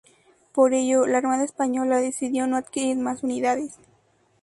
Por ello la Armada Española decidió no adquirir más unidades.